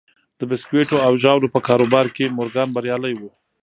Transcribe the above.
د بیسکويټو او ژاولو په کاروبار کې مورګان بریالی و